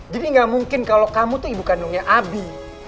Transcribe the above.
jadi gak mungkin kalau kamu tuh ibu kandungnya abi